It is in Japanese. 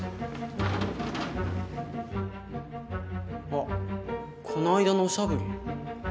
あっこの間のおしゃぶり。